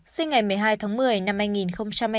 sinh ngày một mươi hai tháng một mươi năm hai nghìn hai mươi ba